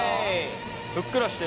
ふっくらしてる。